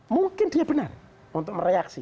mungkin dia benar untuk mereaksi